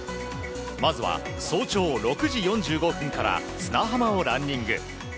まずは早朝６時４５分から砂浜をランニング。